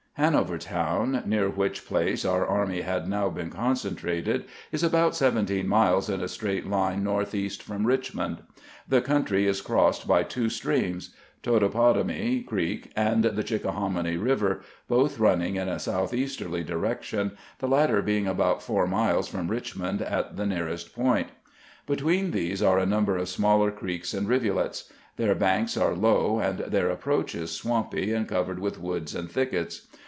Hanovertown, near which place our army had now been concentrated, is about seventeen miles in a straight line northeast from Richmond. The country is crossed by two streams, Totopotomoy Creek and the Chickahominy River, both running in a south easterly direction, the latter being about four miles from 156 CAMPAIGNING WITH GEANT Eiclimoiid at the nearest point. Between tliese are a number of smaller creeks and rivulets. Their banks are low, and their approaches swampy and covered wdth woods and thickets.